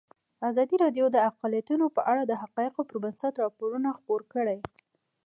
ازادي راډیو د اقلیتونه په اړه د حقایقو پر بنسټ راپور خپور کړی.